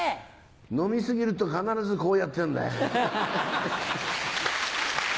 飲み過ぎると必ずこうやってんだよ。